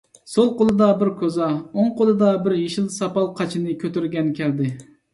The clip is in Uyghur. سول قولىدا بىر كوزا، ئوڭ قولىدا بىر يېشىل ساپال قاچىنى كۆتۈرگەن كەلدى.